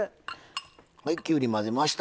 はいきゅうり混ぜました。